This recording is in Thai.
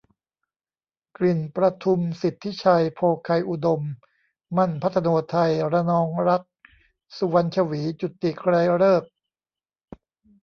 กลิ่นประทุม สิทธิชัย โภไคยอุดม มั่น พัธโนทัย ระนองรักษ์ สุวรรณฉวี จุติ ไกรฤกษ์